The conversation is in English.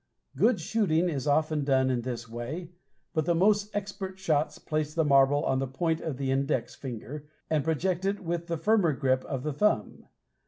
Good shooting is often done in this way, but the most expert shots place the marble on the point of the index finger, and project it with a firmer grip of the thumb.